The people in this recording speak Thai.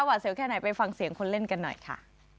เสวแค่ไหนไปฟังเสียงคนเล่นกันหน่อยค่ะ